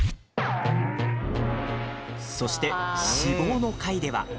そして、脂肪の回では。